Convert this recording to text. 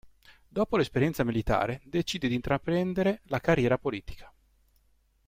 Dopo l'esperienza militare, decide di intraprendere la carriera politica.